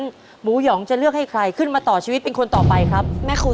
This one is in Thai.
จังหวัดสุภารุณีครับ